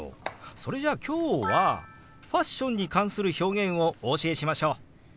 それじゃあ今日はファッションに関する表現をお教えしましょう！